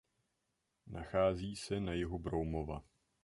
Nachází se na jihu Broumova.